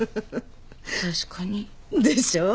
確かに。でしょう。